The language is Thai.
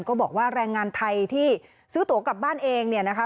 ก็บอกว่าแรงงานไทยที่ซื้อตัวกลับบ้านเองเนี่ยนะคะ